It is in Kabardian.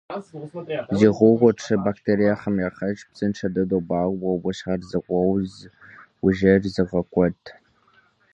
Зи гугъу тщӀы бактериехэм яхэтщ псынщӀэ дыдэу багъуэ, уи щхьэр зыгъэуз, уи жейр зыгъэкӀуэд.